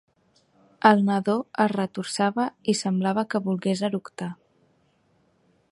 El nadó es retorçava i semblava que volgués eructar.